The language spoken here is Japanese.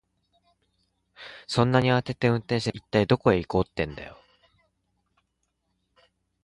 そんなに慌てて運転して、一体どこへ行こうってんだよ。